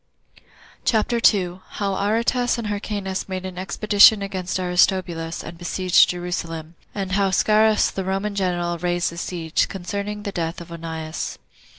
CHAPTER 2. How Aretas And Hyrcanus Made An Expedition Against Aristobulus And Besieged Jerusalem; And How Scaurus The Roman General Raised The Siege. Concerning The Death Of Onias.